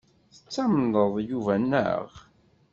Tettamneḍ Yuba, naɣ?